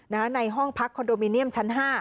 ในห้องพักคอนโดมิเนียมชั้น๕